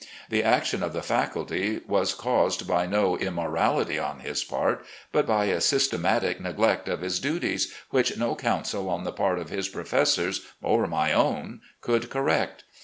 The action of the faculty was caused by no immorality on his part, but by a systematic neglect of his duties, which no counsel on the part of his professors, or my own, could correct.